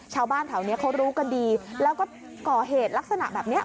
ชาวบ้านแถวนี้เขารู้กันดีแล้วก็ก่อเหตุลักษณะแบบนี้